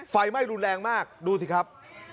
ไฟไหม้รุนแรงมากดูสิครับ